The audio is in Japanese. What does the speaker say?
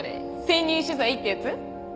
潜入取材ってやつ？